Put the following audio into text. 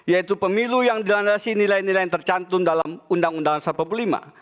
yaitu pemilu yang dilandasi nilai nilai yang tercantum dalam undang undang dasar empat puluh lima